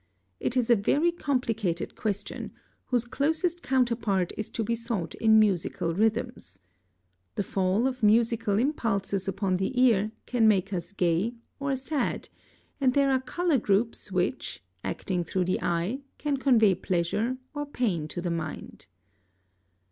It is a very complicated question, whose closest counterpart is to be sought in musical rhythms. The fall of musical impulses upon the ear can make us gay or sad, and there are color groups which, acting through the eye, can convey pleasure or pain to the mind.